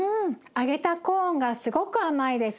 揚げたコーンがすごく甘いです。